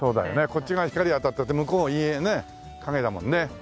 こっち側光当たってて向こうが陰影ね影だもんね。